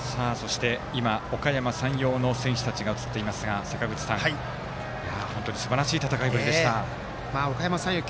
おかやま山陽の選手たちが映っていますが本当にすばらしい戦いぶりでした。